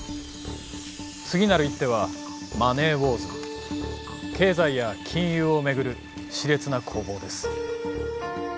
次なる一手はマネー・ウォーズ経済や金融を巡るしれつな攻防です。